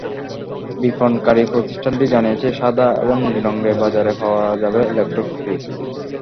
বিপণনকারী প্রতিষ্ঠানটি জানিয়েছে, সাদা এবং নীল রঙে বাজারে পাওয়া যাবে ল্যাপটপটি।